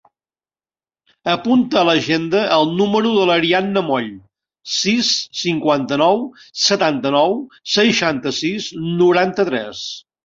Apunta a l'agenda el número de l'Arianna Moll: sis, cinquanta-nou, setanta-nou, seixanta-sis, noranta-tres.